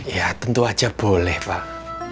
ya tentu saja boleh pak